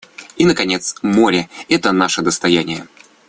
И наконец, море — это наше достояние.